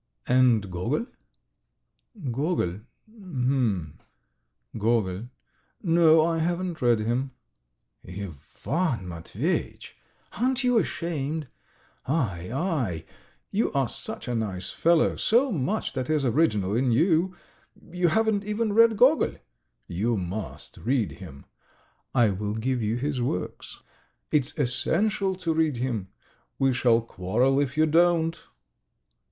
..." "And Gogol?" "Gogol. H'm! ... Gogol. ... No, I haven't read him!" "Ivan Matveyitch! Aren't you ashamed? Aie! aie! You are such a nice fellow, so much that is original in you ... you haven't even read Gogol! You must read him! I will give you his works! It's essential to read him! We shall quarrel if you don't!"